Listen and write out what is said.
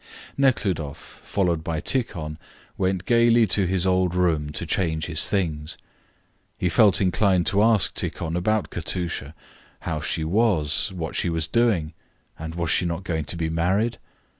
Nekhludoff, followed by Tikhon, went gaily to his old room to change his things. He felt inclined to ask Tikhon about Katusha; how she was, what she was doing, was she not going to be married?